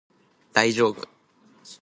大丈夫